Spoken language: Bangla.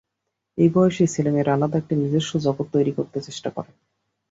এ বয়সেই ছেলেমেয়েরা আলাদা একটি নিজস্ব জগত্ তৈরি করতে চেষ্টা করে।